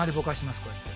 こうやって。